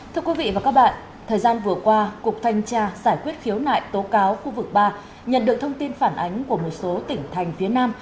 thưa quý vị và các bạn thời gian vừa qua cục thanh tra giải quyết khiếu nại tố cáo khu vực ba nhận được thông tin phản ánh của một số tỉnh thành phía nam